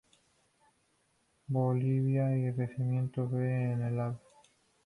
Bolívar y Recinto B en la Ave.